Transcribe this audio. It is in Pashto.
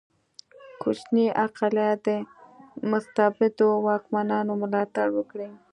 کوچنی اقلیت د مستبدو واکمنانو ملاتړ وکړي.